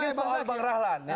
terus terakhir soal bang rahlan